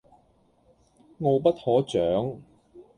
傲不可長